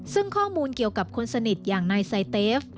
ซึ่งข้อมูลเกี่ยวกับคนสนิทอย่างนายไซเตฟ